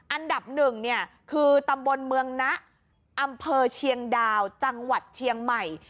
อันดับหนึ่งเนี่ยคือตำบลเมืองนะอำเภอเชียงดาวจังหวัดเชียงใหม่